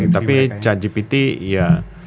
tapi cat gpt ya